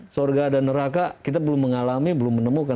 sorga dan neraka kita belum mengalami belum menemukan